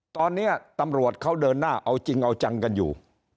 ตอนนี้ตำรวจเขาเดินหน้าเอาจริงเอาจังกันอยู่